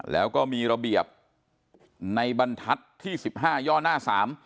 แล้วก็มีระเบียบในบรรทัศน์ที่สิบห้าย่อหน้าสาม